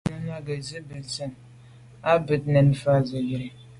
Náná à’ghə̀ zí’jú mbə́zə̄ á gə̄ bút búù nə̀táà fà’ zə̀ á Rə́ə̀.